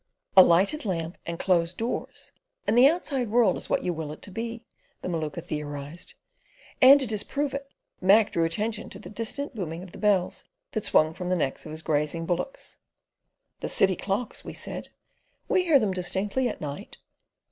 "A lighted lamp and closed doors, and the outside world is what you will it to be," the Maluka theorised, and to disprove it Mac drew attention to the distant booming of the bells that swung from the neck of his grazing bullocks. "The city clocks," we said. "We hear them distinctly at night."